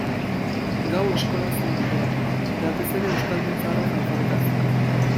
Gau eskola zuen antolatua, batez ere euskaldun zaharrak alfabetatzeko.